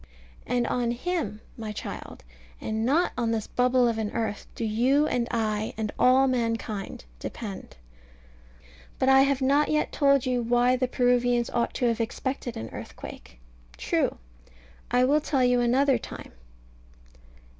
And on Him, my child, and not on this bubble of an earth, do you and I, and all mankind, depend. But I have not yet told you why the Peruvians ought to have expected an earthquake. True. I will tell you another time.